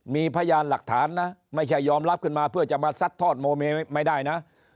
มีพยานหลักฐานนะไม่ใช่ยอมรับขึ้นมาเพื่อจะมาซัดทอดโมเมไม่ได้นะ